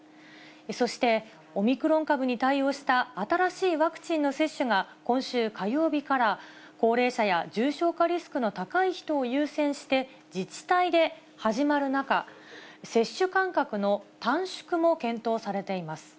そして、オミクロン株に対応した新しいワクチンの接種が、今週火曜日から、高齢者や重症化リスクの高い人を優先して、自治体で始まる中、接種間隔の短縮も検討されています。